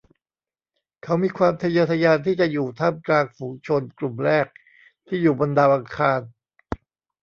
เขามีความทะเยอทะยานที่จะอยู่ท่ามกลางฝูงชนกลุ่มแรกที่อยู่บนดาวอังคาร